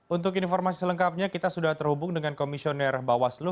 untuk informasi selengkapnya kita sudah terhubung dengan komisioner bawaslu